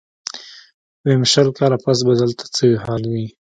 ويم شل کاله پس به دلته څه حال وي.